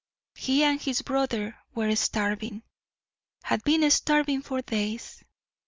He and his brother were starving, had been starving for days.